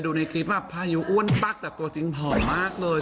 ก็คิดว่าพายุอ้วนบักแต่ตัวจริงผ่อนมากเลย